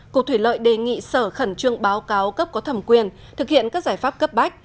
cục thủy lợi đề nghị sở khẩn trương báo cáo cấp có thẩm quyền thực hiện các giải pháp cấp bách